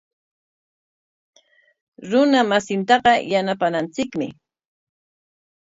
Runa masintaqa yanapananchikmi.